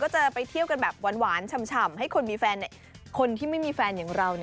จะไปเที่ยวกันแบบหวานฉ่ำให้คนมีคนที่ไม่มีแฟนอย่างเรา